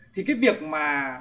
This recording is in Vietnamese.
thì cái việc mà